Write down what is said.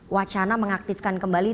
wacana mengaktifkan kembali